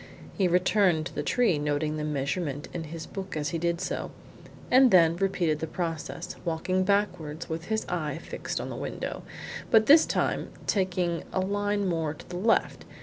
He returned to the tree, noting the measurement in his book as he did so, and then repeated the process, walking backwards with his eye fixed on the window, but this time taking a line more to the left.